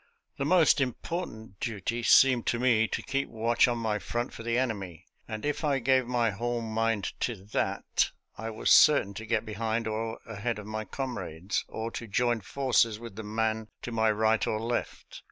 The most important duty seemed to me to keep watch on my front for the enemy, and if I gave my whole mind to that, I was cer tain to get behind or ahead of my comrades, or to join forces with the man to my right or left.